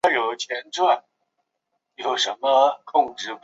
粤港汽车现时是广东省交通集团有限公司的成员之一。